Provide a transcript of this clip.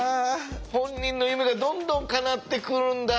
本人の夢がどんどんかなってくるんだ。